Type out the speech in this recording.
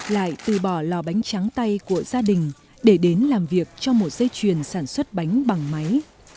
lại từ bỏ lò bánh tráng tay của gia đình để đến làm việc trong một dây chuyền sản xuất bánh bằng máy